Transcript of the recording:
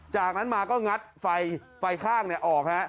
จากนั้นมาก็งัดไฟข้างออกฮะ